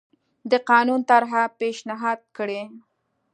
د قانون طرحه پېشنهاد کړي.